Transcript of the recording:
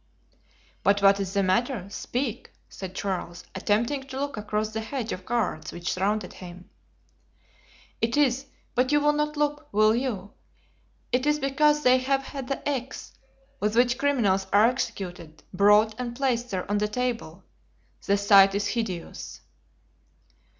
"But what is the matter? Speak," said Charles, attempting to look across the hedge of guards which surrounded him. "It is—but you will not look, will you?—it is because they have had the axe, with which criminals are executed, brought and placed there on the table. The sight is hideous."